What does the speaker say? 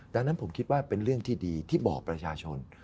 ดังนั้นผมคิดว่าเป็นเรื่องที่ดีที่บอกประชาชน